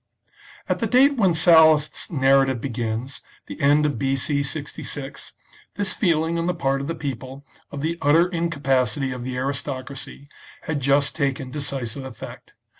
At the date when Sallust's narrative begins, the end of B.C. 66, this feeling on the part of the people of the utter incapacity of the aristocracy, had just taken decisive effect.